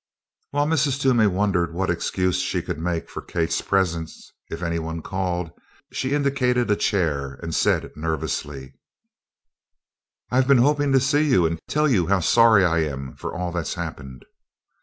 While Mrs. Toomey wondered what excuse she could make for Kate's presence, if anyone called, she indicated a chair and said nervously: "I've been hoping to see you and tell you how sorry I am for all that's happened."